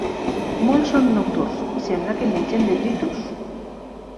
Molts són nocturns i sembla que mengen detritus.